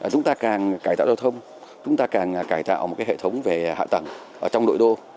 chúng ta càng cải tạo giao thông chúng ta càng cải tạo một hệ thống về hạ tầng trong nội đô